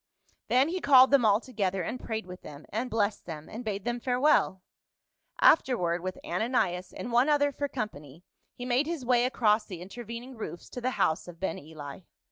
Then he called them all together, and prayed with them, and blessed them, and bade them farewell. Afterward with Ananias and one other for company, he made his way across the intervening roofs to the ' house of Ben Eli.